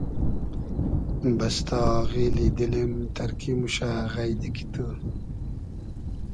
بستۂ آغیلی دیلیم تئرکی موشۂ غݷدی کی تو